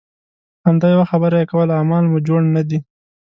همدا یوه خبره یې کوله اعمال مو جوړ نه دي.